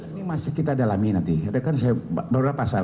ini masih kita dalami nanti ada kan saya berubah pasal